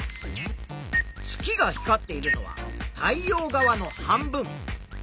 月が光っているのは太陽側の半分。